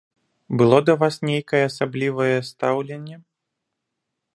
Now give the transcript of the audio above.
Было да вас нейкае асаблівае стаўленне?